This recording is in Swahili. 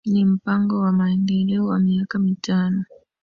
Ni mpango wa Maendeleo wa Miaka Mitano